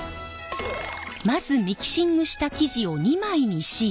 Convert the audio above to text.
まずミキシングした生地を２枚にし